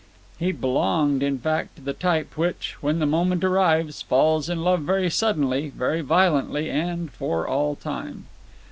He belonged, in fact, to the type which, when the moment arrives, falls in love very suddenly, very violently, and for all time.